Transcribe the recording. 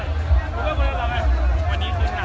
ปกติจะวุ่นวายแบบนี้ไหมครับ